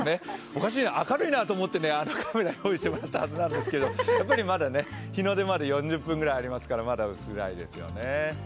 おかしいな、明るいなと思ってカメラを用意してもらったはずなんですけどまだ日の出まで４０分ぐらいありますからまだ薄暗いですね。